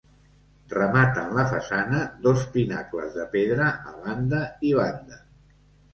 Rematen la façana, dos pinacles de pedra a banda i banda.